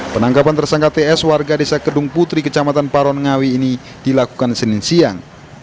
penangkapan tersangka ts warga desa kedung putri kecamatan paron ngawi ini dilakukan senin siang